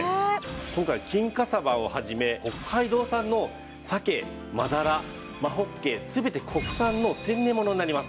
今回は金華さばをはじめ北海道産の鮭真だら真ほっけ全て国産の天然物になります。